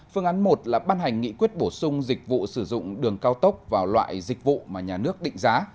phương án một là ban hành nghị quyết bổ sung dịch vụ sử dụng đường cao tốc vào loại dịch vụ mà nhà nước định giá